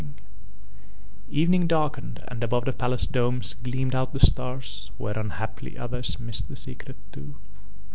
IV Evening darkened and above the palace domes gleamed out the stars whereon haply others missed the secret too.